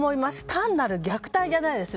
単なる虐待じゃないです。